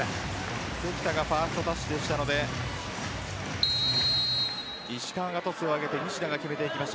関田がファーストタッチなので石川がトスを上げて西田が決めました。